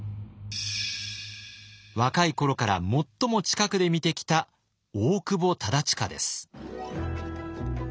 若い頃から最も近くで見てきた大久保忠隣です。